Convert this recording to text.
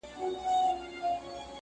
بس که! آسمانه نور یې مه زنګوه.!